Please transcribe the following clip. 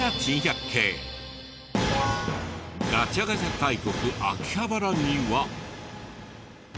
ガチャガチャ大国秋葉原には。